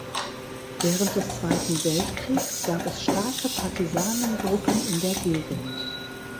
Während des Zweiten Weltkriegs gab es starke Partisanengruppen in der Gegend.